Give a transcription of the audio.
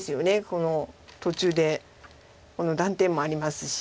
この途中で断点もありますし。